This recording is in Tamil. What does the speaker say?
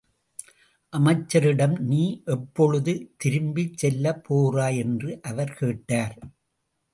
அமைச்சரிடம் நீ எப்பொழுது திரும்பிச்செல்லப் போகிறாய்? என்று அவர் கேட்டார்.